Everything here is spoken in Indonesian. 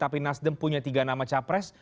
tapi nasdem punya tiga nama capres